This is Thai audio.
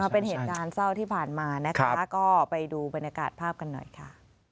เป็นเหตุการณ์เศร้าที่ผ่านมานะคะก็ไปดูบรรยากาศภาพกันหน่อยค่ะ